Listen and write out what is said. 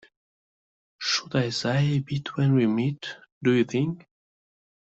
Should I sigh a bit when we meet, do you think?